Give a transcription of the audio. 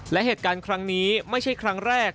และเหตุการณ์ครั้งนี้ไม่ใช่ครั้งแรก